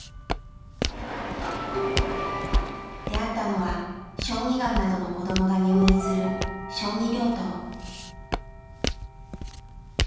出会ったのは小児がんなどの子どもが入院する小児病棟。